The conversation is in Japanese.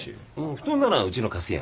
布団ならうちの貸すよ。